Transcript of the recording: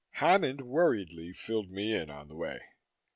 Hammond worriedly filled me in on the way.